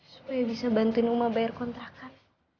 supaya bisa bantuin rumah bayar kontrakan